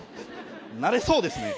なれそうですね。